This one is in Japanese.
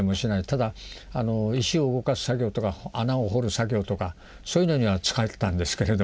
ただ石を動かす作業とか穴を掘る作業とかそういうのには使ってたんですけれども。